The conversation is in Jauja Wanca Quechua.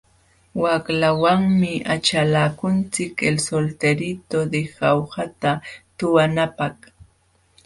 Waqlawanmi achalakunchik El solterito de jaujata tuhunapaq.